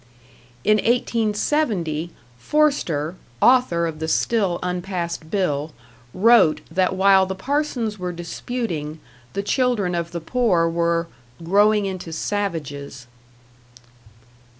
In 1870, Forster, author of the still unpassed bill, wrote that while the parsons were disputing, the children of the poor were "growing into savages."